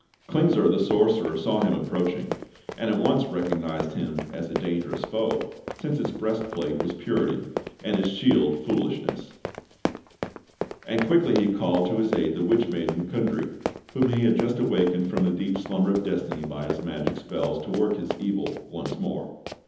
Klingsor, the sorcerer, saw him approaching, and at once recognised him as a dangerous foe, since his breastplate was purity, and his shield foolishness; and quickly he called to his aid the witch maiden, Kundry, whom he had just awakened from the deep slumber of destiny by his magic spells, to work his evil will once more.